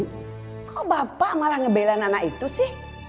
kok bapak malah ngebelain anak itu sih